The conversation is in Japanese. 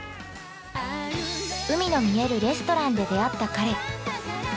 ◆海の見えるレストランで出会った彼。